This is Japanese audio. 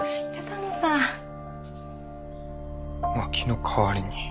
薪の代わりに。